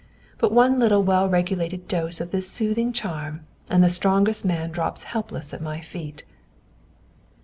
But one little well regulated dose of this soothing charm, and the strongest man drops helpless at my feet."